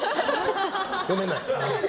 読めない。